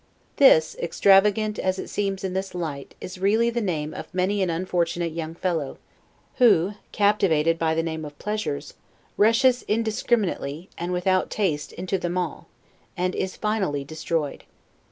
This, extravagant as it seems in this light, is really the case of many an unfortunate young fellow, who, captivated by the name of pleasures, rushes indiscriminately, and without taste, into them all, and is finally DESTROYED.